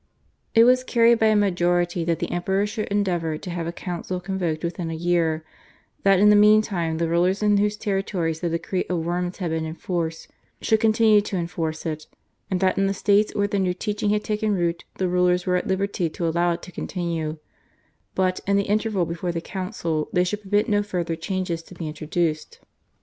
It was carried by a majority that the Emperor should endeavour to have a Council convoked within a year, that in the meantime the rulers in whose territories the decree of Worms had been in force should continue to enforce it, and that in the states where the new teaching had taken root the rulers were at liberty to allow it to continue, but, in the interval before the Council they should permit no further changes to be introduced.